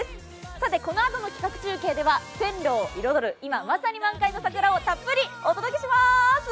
さて、このあとの企画中継では線路を彩る、今まさに満開の桜をたっぷりお届けします。